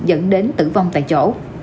dẫn đến tử vong tại chỗ